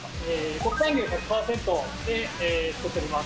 国産牛１００％で作っております。